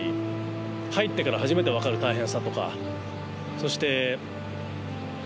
そして。